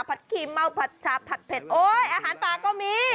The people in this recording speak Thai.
ครีมเมาผัดชาบผัดเผ็ดโอ๊ยอาหารปลาก็มี